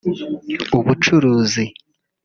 ubucuzi